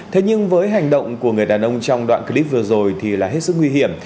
thế nhưng với hành động của người đàn ông trong đoạn clip vừa rồi thì là hết sức nguy hiểm